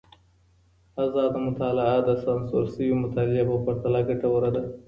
ازاده مطالعه د سانسور سوي مطالعې په پرتله ګټوره ده.